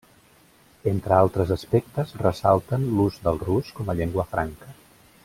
Entre altres aspectes ressalten l'ús del rus com a llengua franca.